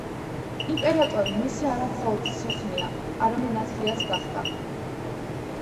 იმპერატორი მისი არამხოლოდ სეხნია, არამედ ნათლიაც გახდა.